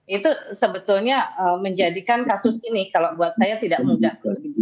itu sebetulnya menjadikan kasus ini kalau buat saya tidak mudah